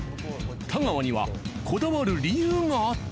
太川にはこだわる理由があった。